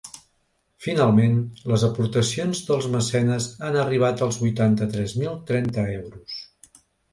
Finalment, les aportacions dels mecenes han arribat als vuitanta-tres mil trenta euros.